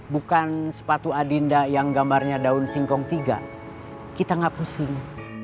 bukan sepatu adinda yang gambarnya daun singkong tiga kita gak pusing